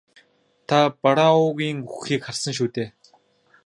Та Барруагийн үхэхийг харсан шүү дээ?